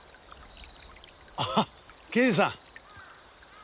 ああ刑事さん。